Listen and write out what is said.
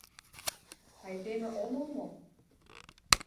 — Айдеме омыл мо?..